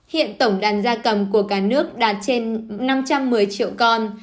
hiện tổng đàn gia cầm của cả nước đạt trên năm trăm một mươi triệu con